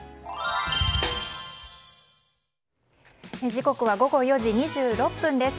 時刻は午後４時２６分です。